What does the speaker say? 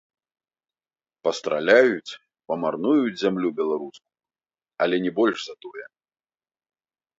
Пастраляюць, памарнуюць зямлю беларускую, але не больш за тое.